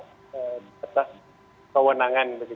soal batas kewenangan